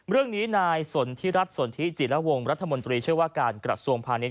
เรื่องนี้นายสนทิรัฐสนทิจิระวงรัฐมนตรีเชื่อว่าการกระทรวงพาณิช